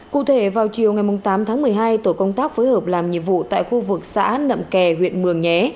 cụ thể vào chiều ngày tám tháng một mươi hai tổ công tác phối hợp làm nhiệm vụ tại khu vực xã nậm kè huyện mường nhé